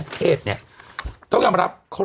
พระมหาไพรวันที่ควรรู้จักกันทั้งประเทศเนี่ย